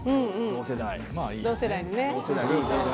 同世代ね。